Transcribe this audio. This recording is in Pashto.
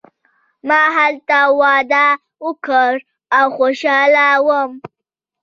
ما هلته واده وکړ او خوشحاله وم.